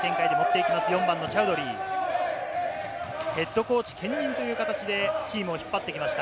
ヘッドコーチ兼任という形でチームを引っ張ってきました